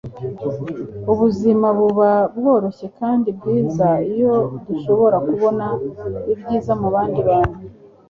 ubuzima buba bworoshye kandi bwiza iyo dushobora kubona ibyiza mu bandi bantu